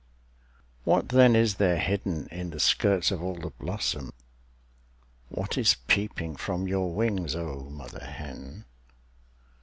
What then is there hidden in the skirts of all the blossom, What is peeping from your wings, oh mother hen?